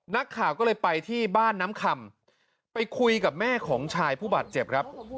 นักข่าวก็เลยไปที่บ้านน้ำคำไปคุยกับแม่ของชายผู้บาดเจ็บครับ